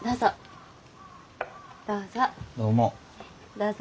どうぞ。